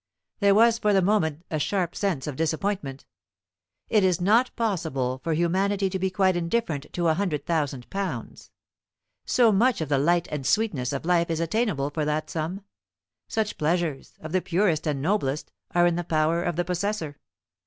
There was for the moment a sharp sense of disappointment. It is not possible for humanity to be quite indifferent to a hundred thousand pounds. So much of the "light and sweetness" of life is attainable for that sum, such pleasures, of the purest and noblest, are in the power of the possessor.